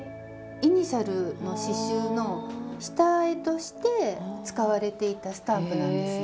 イニシャルの刺しゅうの下絵として使われていたスタンプなんですよ。